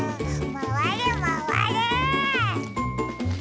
まわれまわれ！